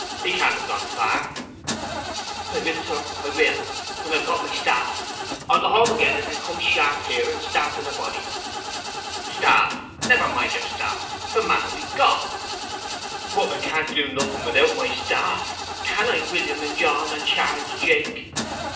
He can't have gone far.' 'I will, sir, I will—when I've got my staff. I'll go home and get it, and come sharp here, and start in a body.' 'Staff!—never mind your staff; the man'll be gone!' 'But I can't do nothing without my staff—can I, William, and John, and Charles Jake?